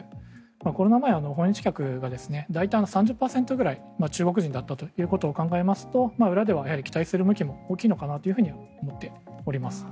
コロナ前は訪日客が大体３０％ぐらい中国人だったということを考えますと裏では期待する向きも大きいのかなと思っております。